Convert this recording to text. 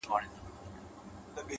د نورو بخښل زړه سپکوي!